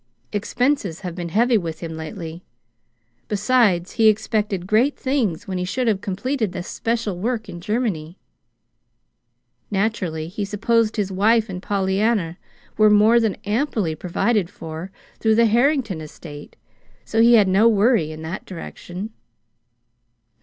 Expenses have been heavy with him lately. Besides, he expected great things when he should have completed this special work in Germany. Naturally he supposed his wife and Pollyanna were more than amply provided for through the Harrington estate; so he had no worry in that direction."